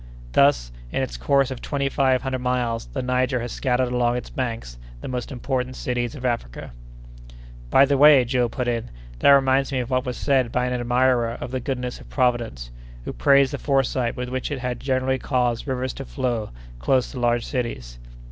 Thus, in its course of twenty five hundred miles, the Niger has scattered along its banks the most important cities of Africa." "By the way," put in Joe, "that reminds me of what was said by an admirer of the goodness of Providence, who praised the foresight with which it had generally caused rivers to flow close to large cities!"